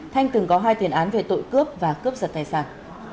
thanh từng có hai tiền án về tội cướp và cướp giật tài sản